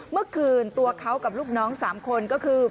เมื่อคืนตัวเขากับลูกน้อง๓คนก็คือ